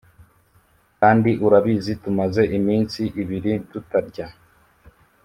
kandi urabizi tumaze iminsi ibiri tutarya